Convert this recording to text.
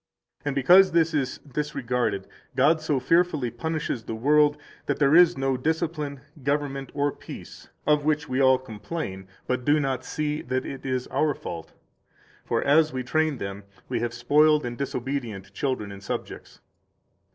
177 And because this is disregarded, God so fearfully punishes the world that there is no discipline, government, or peace, of which we all complain, but do not see that it is our fault; for as we train them, we have spoiled and disobedient children and subjects.